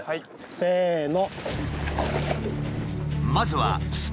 せの。